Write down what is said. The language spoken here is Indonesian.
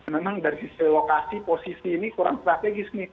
memang dari sisi lokasi posisi ini kurang strategis nih